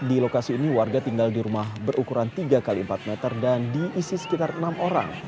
di lokasi ini warga tinggal di rumah berukuran tiga x empat meter dan diisi sekitar enam orang